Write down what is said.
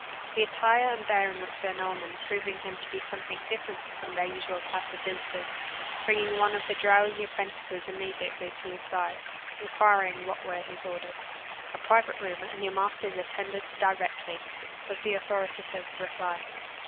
The attire and bearing of Sir Norman proving him to be something different from their usual class of visitors, bringing one of the drowsy apprentices immediately to his side, inquiring what were his orders. "A private room, and your master's attendance directly," was the authoritative reply.